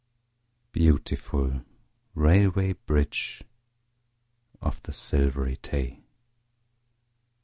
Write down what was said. Beautiful Railway Bridge of the Silvery Tay!